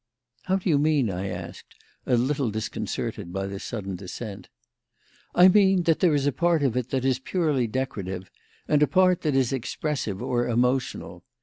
"How do you mean?" I asked, a little disconcerted by the sudden descent. "I mean that there is a part of it that is purely decorative and a part that is expressive or emotional.